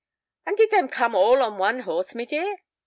"And did them come all on one horse, my dear?"